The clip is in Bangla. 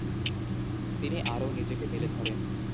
তিনি আরও নিজেকে মেলে ধরেন।